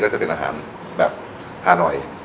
ก็จะเป็นอาหารแบบฮานอยด์